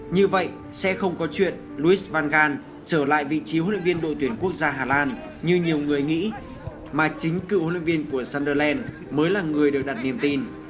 như vậy sẽ không có chuyện luis van gan trở lại vị trí huấn luyện viên đội tuyển quốc gia hà lan như nhiều người nghĩ mà chính cựu huấn luyện viên của sunderland mới là người được đặt niềm tin